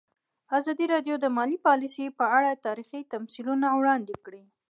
ازادي راډیو د مالي پالیسي په اړه تاریخي تمثیلونه وړاندې کړي.